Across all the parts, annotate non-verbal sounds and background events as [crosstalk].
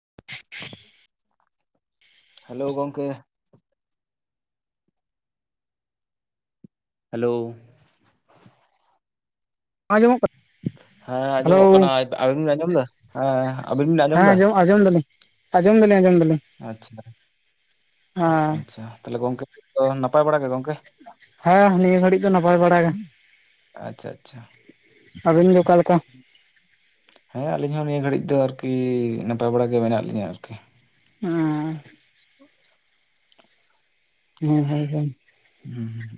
[inaudible] Hello ᱜᱚᱝᱠᱮ hello ᱟᱸᱡᱚᱢᱚᱜ ᱠᱟ ᱦᱮᱸ ᱟᱸᱡᱚᱢᱚᱜ ᱠᱟᱱᱟ ᱟᱵᱤᱱ ᱵᱤᱱ ᱟᱸᱡᱚᱢ ᱮᱫᱟ ᱦᱮᱸ ᱟᱵᱤᱱ ᱵᱤᱱ ᱟᱸᱡᱚᱢ ᱮᱫᱟ? ᱟᱡᱚᱢ ᱫᱟᱞᱤᱧ ᱟᱡᱚᱢ ᱫᱟᱞᱤᱧ ᱟᱡᱚᱢ ᱫᱟᱞᱤᱧ᱾ ᱟᱪᱪᱷᱟ ᱟᱪᱪᱷᱟ ᱛᱟᱦᱚᱞᱮ ᱜᱚᱝᱠᱮ ᱱᱟᱯᱟᱭ ᱵᱟᱲᱟ ᱜᱮ ᱜᱚᱝᱠᱮ? ᱦᱮᱸ ᱱᱤᱭᱟᱹ ᱜᱷᱟᱹᱲᱤᱡ ᱫᱚ ᱱᱟᱯᱟᱭ ᱵᱟᱲᱟ ᱜᱮ ᱾ ᱟᱪᱪᱷᱟ ᱟᱪᱪᱷᱟ ᱟᱹᱵᱤᱱ ᱜᱮ ᱚᱠᱟ ᱞᱮᱠᱟ? ᱦᱮᱸ ᱟᱹᱞᱤᱧ ᱦᱚᱸ ᱱᱤᱭᱟᱹ ᱜᱷᱟᱹᱲᱤᱡ ᱫᱚ ᱟᱨᱠᱤ ᱱᱟᱯᱟᱭ ᱵᱟᱲᱟ ᱜᱮ ᱢᱮᱱᱟᱜ ᱞᱤᱧᱟᱹ ᱟᱨᱠᱤ᱾ ᱚᱸᱻ [unintelligible] ᱦᱩᱸ ᱦᱩᱸ